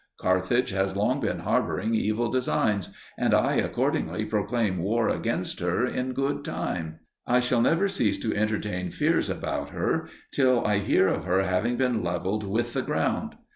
Carthage has long been harbouring evil designs, and I accordingly proclaim war against her in good time. I shall never cease to entertain fears about her till I hear of her having been levelled with the ground.